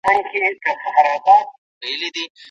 دا تاریخي بحث ډېر ګټور دی.